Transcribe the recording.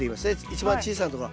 一番小さなところ。